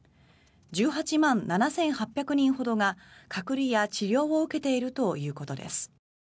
１８万７８００人ほどが隔離や治療を受けているということです。